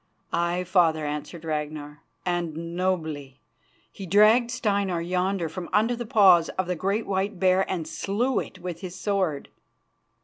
"Aye, father," answered Ragnar, "and nobly. He dragged Steinar yonder from under the paws of the great white bear and slew it with his sword."